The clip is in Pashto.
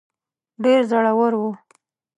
ډېر زړه ور وو.